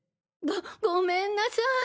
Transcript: ごごめんなさい！